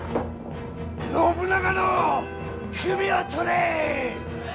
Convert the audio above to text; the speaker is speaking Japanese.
信長の首を取れ！